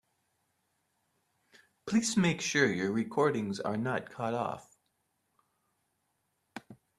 Please make sure your recordings are not cut off.